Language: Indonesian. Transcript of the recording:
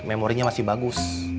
memorinya masih bagus